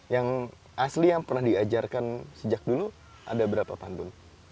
yang asli yang pernah diajarkan sejak dulu ada berapa pantun